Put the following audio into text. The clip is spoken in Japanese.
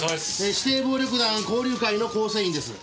指定暴力団紅竜会の構成員です。